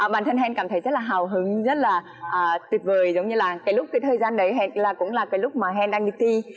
bản thân hen cảm thấy rất là hào hứng rất là tuyệt vời giống như là cái lúc cái thời gian đấy là cũng là cái lúc mà hen đang đi thi